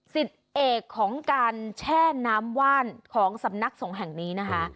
เอกของการแช่น้ำว่านของสำนักสงฆ์แห่งนี้นะคะ